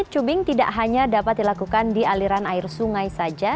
cubing tidak hanya dapat dilakukan di aliran air sungai saja